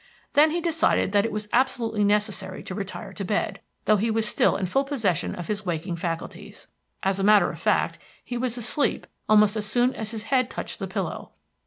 Then he decided that it was absolutely necessary to retire to bed, though he was still in full possession of his waking faculties. As a matter of fact, he was asleep almost as soon as his head touched the pillow.